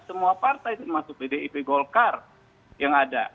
semua partai termasuk pdip golkar yang ada